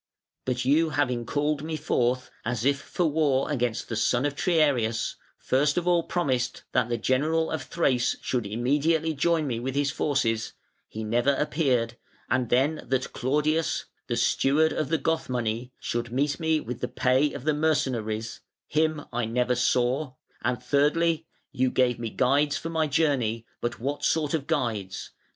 But you having called me forth, as if for war against the son of Tnarius, first of all promised that the General of Thrace should immediately join me with his forces (he never appeared); and then that Claudius, the Steward of the Goth money, should meet me with the pay of the mercenaries (him I never saw); and thirdly, you gave me guides for my journey, but what sort of guides?